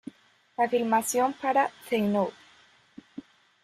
La filmación para The No.